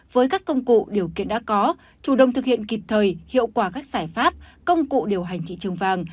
với các công cụ điều kiện đã có chủ động thực hiện kịp thời hiệu quả các giải pháp công cụ điều hành thị trường vàng